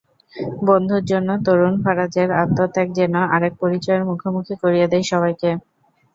বন্ধুর জন্য তরুণ ফারাজের আত্মত্যাগ যেন আরেক পরিচয়ের মুখোমুখি করিয়ে দেয় সবাইকে।